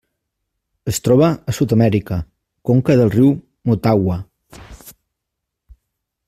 Es troba a Sud-amèrica: conca del riu Motagua.